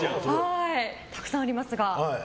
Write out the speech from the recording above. たくさんありますが。